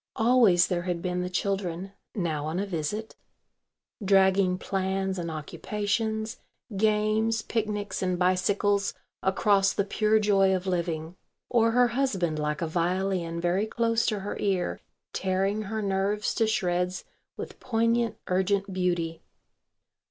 Always there had been the children (now on a visit) dragging plans and occupations, games, picnics, and bicycles across the pure joy of living, or her husband like a violin very close to her ear tearing her nerves to shreds with poignant urgent beauty.